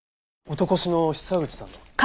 男衆の久口さんが？